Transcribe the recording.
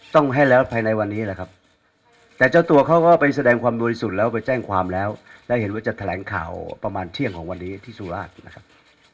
ต้องให้แล้วภายในวันนี้แหละครับแต่เจ้าตัวเขาก็ไปแสดงความบริสุทธิ์แล้วไปแจ้งความแล้วและเห็นว่าจะแถลงข่าวประมาณเที่ยงของวันนี้ที่สุราชนะครับ